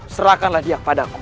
serahkanlah dia kepada aku